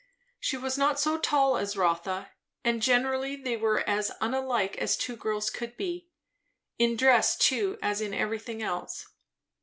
She was not so tall as Rotha; and generally they were as unlike as two girls could be. In dress too, as in everything else.